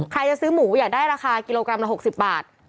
จะซื้อหมูอยากได้ราคากิโลกรัมละ๖๐บาท